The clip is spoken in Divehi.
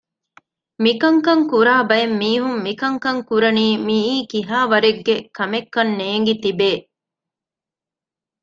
މިކަންކަން ކުރާ ބައެއް މީހުން މިކަންކަން ކުރަނީ މިއީ ކިހާވަރެއްގެ ކަމެއްކަން ނޭނގި ތިބޭ